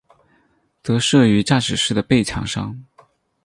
则设于驾驶室的背墙上。